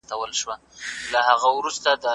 د نارينه وو په شخړو کي دي نجلۍ نه قرباني کيږي.